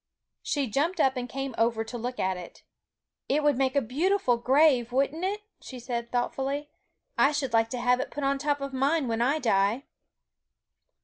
She jumped up and came over to look at it. 'It would make a beautiful grave, wouldn't it?' she said thoughtfully; 'I should like to have it put on the top of mine when I die.'